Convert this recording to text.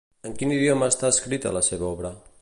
En quin idioma està escrita la seva obra?